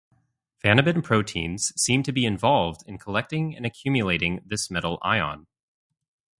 Vanabin proteins seem to be involved in collecting and accumulating this metal ion.